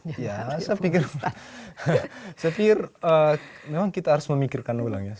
saya pikir memang kita harus memikirkan ulang ya